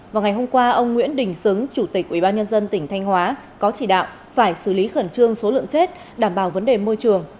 vào ngày hôm qua ông nguyễn đình xứng chủ tịch ủy ban nhân dân tỉnh thanh hóa có chỉ đạo phải xử lý khẩn trương số lượng chết đảm bảo vấn đề môi trường